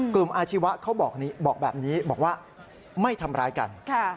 อาชีวะเขาบอกแบบนี้บอกว่าไม่ทำร้ายกัน